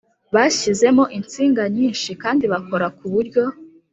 Bashyizemo insinga nyinshi kandi bakora ku buryo